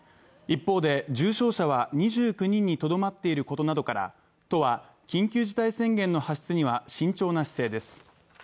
一方で、重症者は２９人にとどまっていることなどから都は緊急事態宣言の発出には慎重な姿勢です。